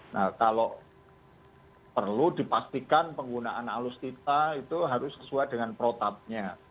nah kalau perlu dipastikan penggunaan alutsista itu harus sesuai dengan protapnya